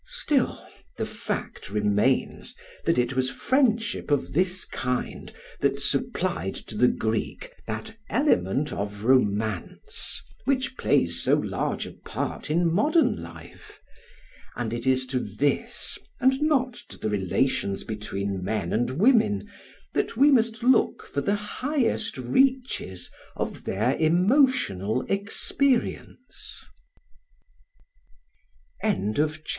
Still, the fact remains that it was friendship of this kind that supplied to the Greek that element of romance which plays so large a part in modern life; and it is to this, and not to the relations between men and women, that we must look for the highest reaches of their emotional experience.